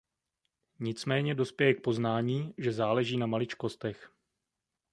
Nicméně dospějeme k poznání, že záleží na maličkostech.